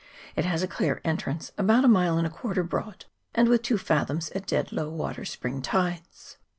It has a clear entrance about a mile and a quarter broad, and with two fathoms at dead low water spring tides.